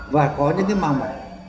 và có những cái màu mạch